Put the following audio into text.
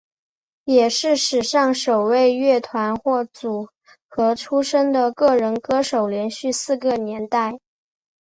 也是史上首位乐团或组合出身的个人歌手连续四个年代。